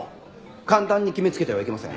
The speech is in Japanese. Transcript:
簡単に決めつけてはいけません。